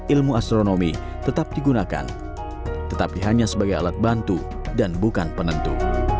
ilmu astronomi tetap digunakan tetapi hanya sebagai alat bantu dan bukan penentu